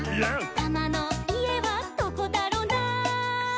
「タマのいえはどこだろな」